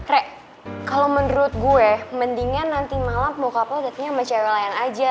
re kalo menurut gue mendingan nanti malam bokap lo datangnya sama cewek lain aja